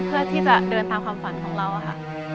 เพื่อที่จะเดินตามความฝันของเราค่ะ